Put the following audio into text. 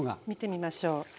見てみましょう。